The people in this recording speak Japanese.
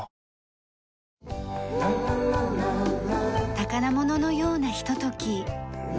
宝物のようなひととき。